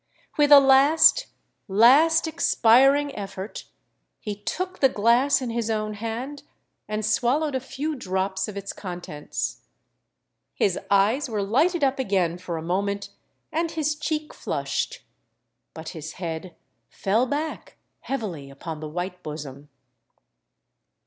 With a last—last expiring effort, he took the glass in his own hand, and swallowed a few drops of its contents:—his eyes were lighted up again for a moment, and his cheek flushed; but his head fell back heavily upon the white bosom.